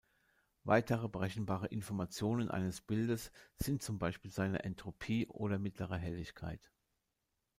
Weitere berechenbare Informationen eines Bildes sind zum Beispiel seine Entropie oder mittlere Helligkeit.